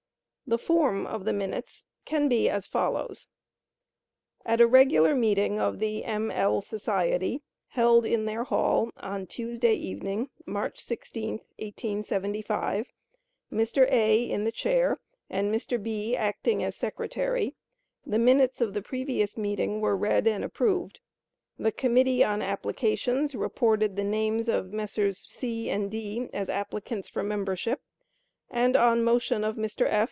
The Form of the Minutes can be as follows: "At a regular meeting of the M. L. Society, held in their hall, on Tuesday evening, March 16, 1875, Mr. A. in the chair and Mr. B. acting as secretary, the minutes of the previous meeting were read and approved. The committee on Applications reported the names of Messrs. C. and D. as applicants for membership; and on motion of Mr. F.